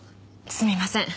すみません。